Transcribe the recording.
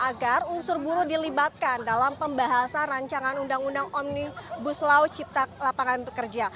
agar unsur buruh dilibatkan dalam pembahasan rancangan undang undang omnibus law cipta lapangan kerja